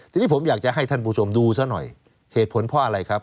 ทีนี้ผมอยากจะให้ท่านผู้ชมดูซะหน่อยเหตุผลเพราะอะไรครับ